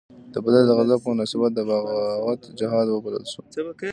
د بدر د غزا په مناسبت دا بغاوت جهاد وبلل شو.